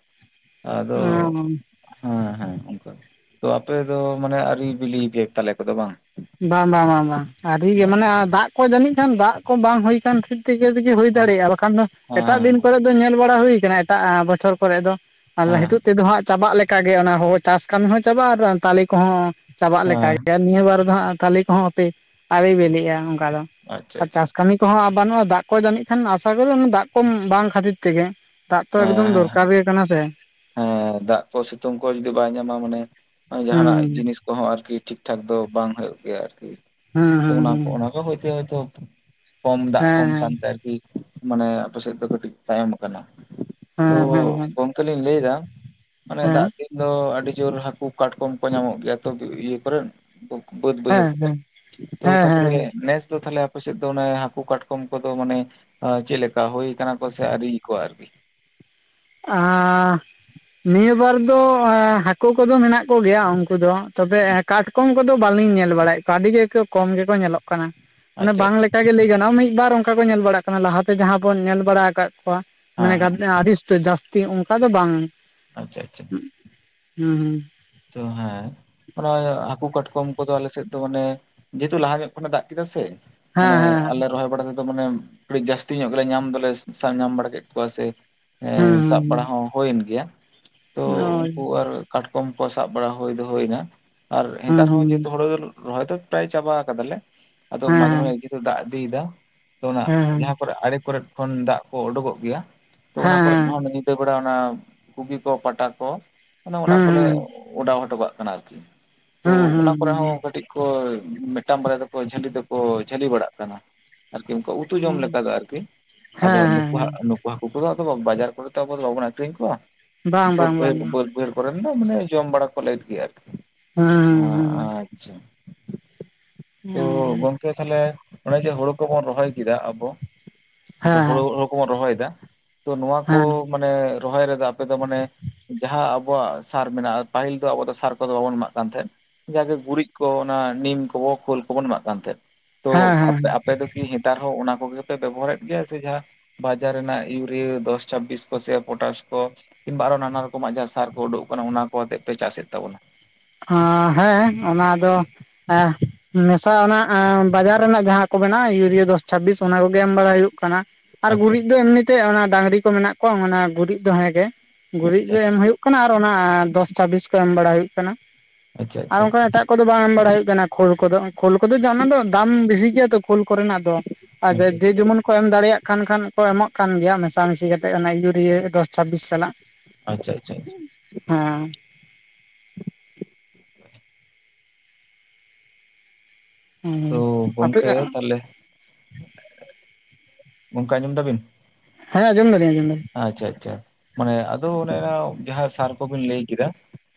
ᱟᱫᱚ ᱚ ᱦᱮᱸ ᱦᱮᱸ, ᱚᱱᱠᱟ ᱛᱚ ᱟᱯᱮ ᱫᱚ ᱢᱟᱱᱮ ᱟᱹᱣᱨᱤ ᱵᱤᱞᱤ ᱟᱯᱮ ᱛᱟᱞᱮ ᱠᱚᱫᱚ ᱵᱟᱝ? ᱵᱟᱝ ᱵᱟᱝ ᱵᱟᱝ ᱚᱱᱟ ᱫᱚ ᱟᱹᱣᱨᱤ ᱜᱮ, ᱦᱮᱸ ᱢᱟᱱᱮ ᱫᱟᱜ ᱠᱚ ᱡᱟᱹᱱᱤᱡ ᱠᱷᱟᱱ ᱫᱟᱜ ᱠᱚ ᱵᱟᱝ ᱦᱩᱭ ᱟᱠᱟᱱ ᱠᱷᱟᱹᱛᱤᱨ ᱛᱮ ᱛᱮᱜᱮ ᱦᱩᱭ ᱫᱟᱲᱮᱭᱟᱜ-ᱟ, ᱵᱟᱠᱷᱟᱱ ᱫᱚ ᱮᱴᱟᱜ ᱫᱤᱱ ᱦᱮᱸ ᱠᱚᱨᱮ ᱫᱚ ᱧᱮᱞ ᱵᱟᱲᱟ ᱦᱩᱭᱩ ᱠᱟᱱᱟ ᱮᱴᱟᱜ ᱵᱚᱪᱷᱚᱨ ᱠᱚᱨᱮ ᱫᱚ ᱟ ᱦᱮᱸ ᱱᱤᱛᱚᱜ ᱛᱮᱫᱚ ᱦᱟᱸᱜ ᱪᱟᱵᱟᱜ ᱞᱮᱠᱟᱜᱮ ᱚᱱᱟ ᱪᱟᱥ ᱠᱟᱹᱢᱤ ᱦᱚᱸ ᱪᱟᱵᱟᱜᱼᱟ ᱟᱨ ᱛᱟᱞᱮ ᱠᱚᱦᱚᱸᱼᱼ ᱪᱟᱵᱟᱜ ᱞᱮ ᱞᱮᱠᱟ ᱦᱮᱸ ᱜᱮᱭᱟ ᱱᱤᱭᱟᱹ ᱵᱟᱨ ᱫᱚ ᱦᱟᱸᱜ ᱛᱟᱞᱮ ᱠᱚᱦᱚᱸᱯᱮ ᱟᱲᱮ ᱵᱤᱞᱤᱜᱼᱟ᱾ ᱚᱱᱠᱟ ᱫᱚ ᱟᱪᱪᱷᱟ ᱟᱨ ᱟᱪᱪᱷᱟ ᱪᱟᱥ ᱠᱟᱹᱢᱤᱼᱼ ᱦ ᱵᱟᱹᱱᱩᱜᱼᱟ ᱫᱟᱜ ᱠᱚ ᱡᱟᱹᱱᱤᱡ ᱠᱷᱟᱱ ᱟᱥᱟ ᱠᱚ ᱚᱱᱟ ᱫᱟᱜ ᱠᱚ ᱵᱟᱝ ᱠᱷᱟᱹᱛᱤᱨ ᱛᱮᱜᱮ᱾ ᱫᱟᱜ ᱛᱚ ᱦᱮᱸ ᱮᱠᱫᱚᱢ ᱫᱚᱨᱠᱟᱨ ᱦᱮᱸ ᱜᱮ ᱠᱟᱱᱟ ᱥᱮ᱾ ᱦᱮᱸ ᱫᱟᱜ ᱠᱚ ᱥᱤᱛᱩᱝ ᱠᱚ ᱡᱩᱫᱤ ᱵᱟᱭ ᱧᱟᱢᱟ ᱢᱟᱱᱮ ᱡᱟᱦᱟᱱᱟᱜ ᱦᱩᱸ ᱡᱤᱱᱤᱥᱼᱼ ᱠᱚᱦᱚᱸ ᱟᱨᱠᱤ ᱴᱷᱤᱠ ᱴᱷᱟᱠ ᱫᱚ ᱵᱟᱝ ᱦᱩᱭᱩᱜ ᱜᱮᱭᱟ ᱟᱨᱠᱤ᱾ ᱦᱩᱸ ᱛᱚ ᱦᱩᱸ ᱚᱱᱟ ᱦᱩᱸ ᱚᱱᱟ ᱠᱚ ᱦᱚᱭᱛᱮ ᱦᱚᱭᱛᱚ ᱠᱚᱢ ᱫᱟᱜ ᱠᱚᱢ ᱠᱟᱱ ᱦᱮᱸ ᱛᱟᱭ ᱟᱨᱠᱤᱼᱼ ᱢᱟᱱᱮ ᱟᱯᱮᱥᱮᱫ ᱫᱚ ᱠᱟᱹᱴᱤᱡ ᱛᱟᱭᱚᱢ ᱟᱠᱟᱱᱟ᱾ ᱛᱚ ᱦᱮᱸ ᱦᱮᱸ ᱦᱮᱸ ᱜᱚᱝᱠᱮ ᱞᱤᱧ ᱞᱟᱹᱭ ᱮᱫᱟ ᱢᱟᱱᱮ ᱫᱟᱜ ᱦᱮᱸ ᱦᱮᱸ ᱫᱤᱱᱼᱼ ᱫᱚ ᱟᱹᱰᱤ ᱡᱳᱨ ᱦᱟᱹᱠᱩ ᱠᱟᱴᱠᱚᱢ ᱠᱚ ᱧᱟᱢᱚᱜ ᱜᱮᱭᱟ ᱛᱚ ᱤᱭᱟᱹ ᱠᱚᱨᱮᱱ ᱩᱱᱠᱩᱼᱼ ᱵᱟᱹᱫᱽ ᱵᱟᱹᱭᱦᱟᱨ ᱦᱮᱸ ᱦᱮᱸ ᱛᱚ ᱦᱮᱸ ᱦᱮᱸ ᱱᱮᱥ ᱫᱚ ᱛᱟᱦᱮᱞᱮᱼᱼ ᱟ ᱥᱮᱫ ᱫᱚ ᱚᱱᱮ ᱦᱟᱹᱠᱩ ᱠᱟᱴᱠᱚᱢ ᱠᱚᱫᱚ ᱢᱟᱱᱮ ᱪᱮᱫᱠᱟ ᱦᱩᱭ ᱠᱟᱱᱟ ᱠᱚ ᱥᱮ ᱟᱹᱣᱨᱤᱭᱚ ᱟᱨᱠᱤ᱾ ᱟ ᱱᱤᱭᱟᱹ ᱵᱟᱨ ᱫᱚ ᱦᱟᱹᱠᱩ ᱠᱚᱫᱚ ᱢᱮᱱᱟᱜ ᱠᱚᱜᱮᱭᱟ᱾ ᱩᱱᱠᱩ ᱫᱚ ᱛᱚᱵᱮ ᱠᱟᱴᱠᱚᱢ ᱠᱚᱫᱚ ᱵᱟᱟᱹᱞᱤᱧ ᱧᱮᱞ ᱵᱟᱲᱟᱭᱮᱫ ᱠᱚᱣᱟ ᱟᱹᱰᱤ ᱜᱮ ᱠᱚᱢ ᱜᱮᱠᱚ ᱧᱮᱞᱚᱜ ᱠᱟᱱᱟ᱾ ᱚᱱᱮ ᱟᱪᱪᱷᱟ ᱟᱪᱪᱷᱟ ᱵᱟᱝᱠᱟᱜ ᱜᱮ ᱞᱟᱹᱭ ᱜᱟᱱᱚᱜᱼᱟ ᱢᱤᱫᱵᱟᱨ ᱚᱱᱠᱟ ᱠᱚ ᱧᱮᱞ ᱵᱟᱲᱟᱜ ᱠᱟᱱᱟ ᱞᱟᱦᱟᱛᱮ ᱡᱟᱦᱟᱸ ᱵᱚᱱ ᱧᱮᱞ ᱵᱟᱲᱟ ᱟᱠᱟᱫ ᱠᱚᱣᱟ᱾ ᱢᱟᱱᱮ ᱦᱮᱸ ᱜᱟ ᱦᱮᱸ ᱟᱹᱰᱤ ᱩᱛᱚ ᱡᱟᱹᱥᱛᱤ ᱚᱱᱠᱟ ᱫᱚ ᱵᱟᱝᱼᱼ ᱟᱪᱪᱷᱟ ᱟᱪᱪᱷᱟ ᱦᱩᱸ ᱦᱩᱸ ᱛᱚ ᱦᱮᱸ ᱢᱟᱱᱮ ᱦᱟᱹᱠᱩ ᱠᱟᱴᱠᱚᱢ ᱠᱚᱫᱚ ᱟᱞᱮᱥᱮᱫ ᱫᱚ ᱢᱟᱱᱮ ᱡᱮᱦᱮᱛᱩ ᱞᱟᱦᱟ ᱧᱚᱜ ᱠᱷᱚᱱᱮ ᱫᱟᱜ ᱠᱮᱫᱟ ᱥᱮ᱾ ᱦᱮᱸ ᱢᱟᱱᱮ ᱦᱮᱸ ᱟᱞᱮ ᱨᱚᱦᱚᱭ ᱵᱟᱲᱟ ᱛᱮ᱾ ᱢᱟᱱᱮ ᱟᱹᱰᱤ ᱡᱟᱹᱥᱛᱤ ᱧᱚᱜ ᱜᱮᱞᱮ ᱧᱟᱢ ᱫᱚᱞᱮ ᱥᱟᱵ ᱧᱟᱢ ᱵᱟᱲᱟ ᱠᱮᱫ ᱠᱚᱣᱟ ᱥᱮ ᱦᱩᱸ ᱥᱟᱵ ᱵᱟᱲᱟ ᱦᱚᱸᱼᱼ ᱦᱩᱭᱮᱱ ᱜᱮᱭᱟ ᱛᱚ ᱦᱩᱸ ᱩᱱᱠᱩ ᱟᱨ ᱠᱟᱴᱠᱚᱢ ᱠᱚ ᱥᱟᱵ ᱵᱟᱲᱟ ᱦᱩᱭ ᱫᱚ ᱦᱩᱭᱱᱟ᱾ ᱟᱨ ᱦᱩᱸ ᱱᱮᱛᱟᱨ ᱦᱚᱸᱚᱸ ᱦᱩᱸ ᱡᱮᱦᱩᱛᱩ ᱫᱚ ᱨᱚᱦᱚᱭ ᱫᱚ ᱯᱨᱟᱭ ᱪᱟᱵᱟ ᱠᱟᱫᱟᱞᱮ ᱢᱟᱡᱷᱮ ᱦᱮᱸ ᱢᱟᱡᱷᱮ ᱡᱮᱦᱮᱛᱩ ᱫᱟᱜᱼᱼ ᱤᱫᱤᱭᱮᱫᱟ ᱛᱚ ᱚᱱᱟ ᱦᱮᱸ ᱡᱟᱦᱟᱸ ᱠᱚᱨᱮ ᱟᱲᱮ ᱠᱚᱨᱮᱫ ᱠᱷᱚᱱ ᱫᱟᱜ ᱠᱚ ᱩᱰᱩᱠᱚᱜ ᱜᱮᱭᱟᱼᱼ ᱛᱚ ᱦᱮᱸ ᱚᱱᱟ ᱠᱚᱨᱮᱫ ᱦᱮᱸ ᱦᱚᱸ ᱧᱤᱫᱟᱹ ᱵᱮᱲᱟ ᱚᱱᱟ ᱜᱷᱩᱜᱤ ᱠᱚ ᱯᱟᱴᱟ ᱠᱚ ᱢᱟᱱᱮ ᱚᱱᱟ ᱠᱚᱞᱮᱼᱼ ᱦᱮᱸ ᱚᱰᱟᱣ ᱦᱚᱴᱚ ᱠᱟᱜ ᱠᱟᱱᱟ ᱟᱨᱠᱤ ᱛᱚ ᱚᱱᱟ ᱦᱮᱸ ᱠᱚᱨᱮ ᱦᱮᱸ ᱦᱚᱸ ᱠᱟᱹᱴᱤᱡᱼᱼ ᱠᱚ ᱢᱮᱴᱟᱝ ᱵᱟᱨᱟᱭ ᱫᱚᱠᱚ ᱡᱷᱟᱹᱞᱤ ᱫᱚᱠᱚ ᱡᱷᱟᱹᱞᱤ ᱵᱟᱲᱟᱜ ᱠᱟᱱᱟ᱾ ᱟᱨᱠᱤ ᱩᱱᱠᱟ ᱩᱛᱩ ᱡᱚᱢ ᱦᱮᱸ ᱞᱮᱠᱟ ᱫᱚ ᱟᱨᱠᱤ ᱟᱫᱚ ᱱᱩᱠᱩ ᱦᱮᱸ ᱦᱟᱜ ᱱᱩᱠᱩᱼᱼ ᱦᱟᱹᱠᱩ ᱠᱚᱫᱚ ᱟᱨ ᱵᱟᱡᱟᱨ ᱠᱚᱨᱮ ᱛᱚ ᱟᱵᱚ ᱫᱚ ᱵᱟᱵᱚᱱ ᱟᱠᱷᱨᱤᱧ ᱠᱚᱣᱟ ᱵᱟᱝ ᱵᱟᱹᱫ ᱵᱟᱝ ᱵᱟᱝ ᱵᱟᱹᱭᱦᱟᱹᱲ ᱵᱟᱝ ᱵᱟᱹᱫ ᱵᱟᱹᱭᱦᱟᱹᱲ ᱠᱚᱨᱮᱱ ᱫᱚ ᱢᱟᱱᱮᱼᱼ ᱡᱚᱢ ᱵᱟᱲᱟ ᱠᱚ ᱞᱮᱫ ᱜᱮ ᱟᱨᱠᱤ ᱦᱮᱸ ᱟᱪᱪᱷᱟ᱾ ᱦᱮᱸ ᱛᱚ ᱦᱮᱸ ᱜᱚᱝᱠᱮ ᱛᱟᱦᱞᱮ ᱚᱱᱮ ᱡᱮ ᱦᱳᱲᱳ ᱠᱚᱵᱚᱱ ᱨᱚᱦᱚᱭ ᱠᱮᱫᱟ ᱟᱵᱚᱼᱼ ᱦᱮᱸ ᱦᱳᱲᱳ ᱠᱚᱵᱚᱱ ᱨᱚᱦᱚᱭᱮᱫᱟ ᱛᱚ ᱱᱚᱣᱟ ᱠᱚᱼᱼ ᱦᱮᱸ ᱢᱟᱱᱮ ᱨᱚᱦᱚᱭ ᱨᱮᱫᱚ ᱟᱯᱮ ᱫᱚ ᱢᱟᱱᱮ ᱡᱟᱦᱟᱸ ᱟᱵᱚᱣᱟᱜ ᱥᱟᱨ ᱢᱮᱱᱟᱜᱼᱟᱼᱼ ᱯᱟᱹᱤᱞ ᱫᱚ ᱟᱵᱚ ᱫᱚ ᱥᱟᱨ ᱠᱚ ᱫᱚ ᱵᱟᱵᱚᱱ ᱮᱢᱟᱜ ᱠᱟᱱ ᱛᱟᱦᱮᱸᱫ᱾ ᱡᱟᱜᱮ ᱜᱩᱨᱤᱡ ᱠᱚ ᱚᱱᱟ ᱱᱤᱢ ᱠᱚᱵᱚ ᱠᱷᱳᱞ ᱠᱚᱵᱚᱱ ᱮᱢᱟᱜ ᱠᱟᱱ ᱛᱟᱦᱮᱸᱫ ᱛᱚ ᱟᱯᱮ ᱦᱮᱸ ᱟᱯᱮᱼᱼ ᱟᱯᱮ ᱫᱚ ᱠᱤ ᱦᱮᱛᱟᱨ ᱦᱚᱸ ᱚᱱᱟ ᱠᱚᱜᱮᱯᱮ ᱵᱮᱵᱚᱦᱟᱨᱮᱫ ᱜᱮᱭᱟ ᱥᱮ ᱡᱟᱦᱟᱸᱼᱼ ᱵᱟᱡᱟᱨ ᱨᱮᱱᱟᱜ ᱤᱭᱩᱨᱤᱭᱟᱹ ᱫᱚᱥ ᱪᱷᱟᱵᱵᱤᱥ ᱠᱚ ᱥᱮ ᱯᱚᱴᱟᱥ ᱠᱚᱼᱼ ᱠᱤᱝᱵᱟ ᱟᱨᱚ ᱱᱟᱱᱟ ᱨᱚᱠᱚᱢᱟᱜ ᱡᱟᱦᱟᱸ ᱥᱟᱨ ᱠᱚ ᱩᱰᱳᱜ ᱟᱠᱟᱱᱟ ᱚᱱᱟ ᱠᱚ ᱟᱛᱮᱜ ᱯᱮ ᱪᱟᱥᱮᱫ ᱛᱟᱵᱚᱱᱟ᱾ ᱦᱟᱸ ᱦᱮᱸ ᱚᱱᱟ ᱫᱚ ᱮᱸ ᱢᱮᱥᱟ ᱚᱱᱟ ᱵᱟᱡᱟᱨ ᱨᱮᱱᱟᱜ ᱡᱟᱸᱦᱟᱼᱼ ᱠᱚ ᱢᱮᱱᱟ ᱤᱭᱩᱨᱤᱭᱟ ᱫᱚᱥ ᱪᱷᱟᱵᱵᱤᱥ ᱚᱱᱟ ᱠᱚᱜᱮ ᱮᱢ ᱵᱟᱲᱟ ᱦᱩᱭᱩᱜ ᱠᱟᱱᱟ ᱟᱨ ᱟᱪᱪᱷᱟ ᱜᱩᱨᱤᱡ ᱫᱚ ᱮᱢᱱᱤᱼᱼ ᱛᱮ ᱚᱱᱟ ᱰᱟᱝᱨᱤ ᱠᱚ ᱢᱮᱱᱟᱜ ᱠᱚᱣᱟ ᱚᱱᱟ ᱜᱩᱨᱤᱡ ᱫᱚ ᱦᱮᱸ ᱜᱮ ᱜᱩᱨᱤᱡ ᱟᱪᱪᱷᱟ ᱜᱮ ᱮᱢ ᱦᱩᱭᱩᱜᱼᱼ ᱠᱟᱱᱟ ᱟᱨ ᱚᱱᱟ ᱫᱚᱥ ᱪᱷᱟᱵᱤᱥ ᱠᱚ ᱮᱢ ᱵᱟᱲᱟ ᱦᱩᱭᱩᱜ ᱠᱟᱱᱟ ᱟᱪᱪᱷᱟ ᱟᱨ ᱟᱪᱪᱷᱟ ᱚᱱᱠᱟ ᱮᱴᱟᱜᱼᱼ ᱠᱚᱫᱚ ᱵᱟᱝ ᱮᱢ ᱵᱟᱲᱟ ᱦᱩᱭᱩᱜ ᱠᱟᱱᱟ ᱠᱷᱳᱞ ᱠᱚᱫᱚ ᱠᱷᱳᱞ ᱠᱚᱫᱚ ᱚᱱᱟ ᱫᱚ ᱫᱟᱢ ᱵᱮᱥᱤ ᱜᱮᱭᱟ ᱛᱚ ᱠᱷᱳᱞ ᱠᱚᱨᱮᱱᱟᱜ ᱫᱚ ᱟᱻ ᱟᱪᱪᱷᱟ ᱡᱮ ᱡᱮᱢᱚᱱ ᱠᱚ ᱮᱢ ᱫᱟᱲᱮᱭᱟᱜ ᱠᱟᱱ ᱠᱷᱟᱱ ᱮᱢᱚᱜ ᱠᱟᱱ ᱜᱮᱭᱟ ᱢᱮᱥᱟᱢᱤᱥᱤ ᱠᱟᱛᱮᱫ ᱚᱱᱟ ᱤᱭᱩᱨᱤᱭᱟ ᱫᱚᱥ ᱪᱷᱟᱵᱵᱤᱥ ᱥᱟᱞᱟᱜ᱾ ᱟᱪᱪᱷᱟ ᱟᱪᱪᱷᱟ‌᱾ ᱦᱮᱸ᱾ ᱛᱚ ᱦᱮᱸ ᱟᱯᱮ ᱜᱚᱢᱠᱮ ᱛᱟᱞᱦᱮ ᱜᱚᱝᱠᱮ ᱟᱸᱡᱚᱢ ᱫᱟᱵᱤᱱ? ᱦᱮᱸ ᱟᱸᱡᱚᱢᱫᱟ ᱞᱤᱧ ᱟᱸᱡᱚᱢ ᱫᱟᱞᱤᱧ᱾ ᱟᱪᱪᱷᱟ ᱟᱪᱪᱷᱟ ᱢᱟᱱᱮ ᱟᱫᱚ ᱚᱱᱮ ᱱᱟ ᱡᱟᱦᱟᱸ ᱥᱟᱨ ᱠᱚᱵᱤᱱ ᱞᱟᱹᱭ ᱠᱮᱫᱟ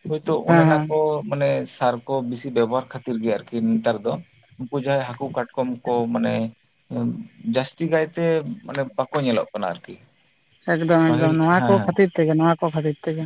ᱦᱳᱭᱛᱳ ᱦᱮᱸ ᱚᱱᱮᱱᱟ ᱦᱮᱸ ᱠᱚ ᱢᱟᱱᱮ ᱥᱟᱨ ᱠᱚ ᱵᱮᱥᱤ ᱵᱮᱵᱚᱦᱟᱨ ᱠᱷᱟᱹᱛᱤᱨ ᱜᱮ ᱟᱨᱠᱤ ᱱᱮᱛᱟᱨ ᱫᱚ ᱩᱱᱠᱩ ᱡᱟᱦᱟᱸᱭ ᱦᱟᱹᱠᱩ ᱠᱟᱴᱠᱚᱢ ᱠᱚ ᱢᱟᱱᱮ ᱡᱟᱹᱥᱛᱤ ᱠᱟᱭᱛᱮ ᱢᱟᱱᱮ ᱵᱟᱠᱚ ᱧᱮᱞᱚᱜ ᱠᱟᱱᱟ ᱟᱨᱠᱤ᱾ ᱮᱠᱫᱚᱢ ᱯᱟᱹᱦᱤᱞ ᱮᱠᱫᱚᱢ ᱱᱚᱣᱟ ᱦᱮᱸ ᱠᱚ ᱦᱮᱸ ᱠᱷᱟᱹᱛᱤᱨ ᱛᱮᱜᱮ ᱱᱚᱣᱟ ᱠᱚ ᱠᱷᱟᱹᱛᱤᱨ ᱛᱮᱜᱮ᱾